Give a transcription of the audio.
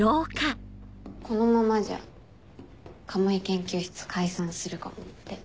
このままじゃ鴨居研究室解散するかもって。